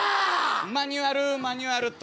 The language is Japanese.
マニュアルマニュアルっと。